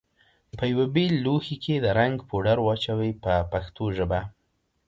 په یوه بېل لوښي کې د رنګ پوډر واچوئ په پښتو ژبه.